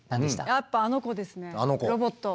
やっぱあの子ですねロボット。